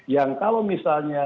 yang kalau misalnya